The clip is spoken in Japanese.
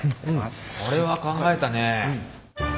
これは考えたね。